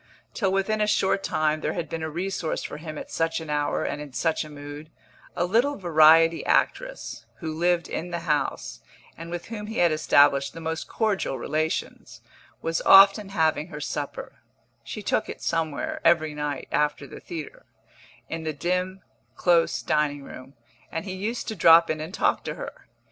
Till within a short time there had been a resource for him at such an hour and in such a mood; a little variety actress, who lived in the house, and with whom he had established the most cordial relations, was often having her supper (she took it somewhere, every night, after the theatre) in the dim, close dining room, and he used to drop in and talk to her.